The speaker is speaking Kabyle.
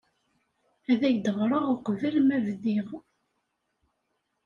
Ad ak-d-ɣreɣ uqbel ma bdiɣ.